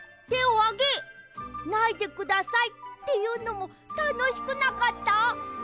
「てをあげないでください」っていうのもたのしくなかった？